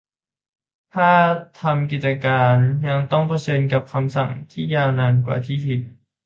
ถ้าทำกิจการยังต้องเผชิญกับคำสั่งที่ยาวนานกว่าที่คิด